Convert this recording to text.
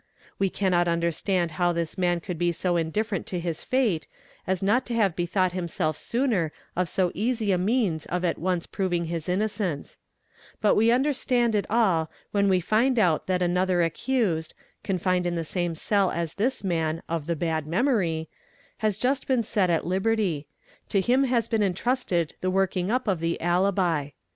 We cannot understand _how this man could be so indifferent to his fate, as not to have bethought himself sooner of so easy a means of at once proving his innocence. But we understand it all when we find out that another accused, confined in OA; PMOUNEM 91 OA.L OLIGO LSI SIL EN eS rN Male =. 29 is ' the same cell as this man "of the bad memory," has just been set at liberty ; to him has been entrusted the working up of the alibi.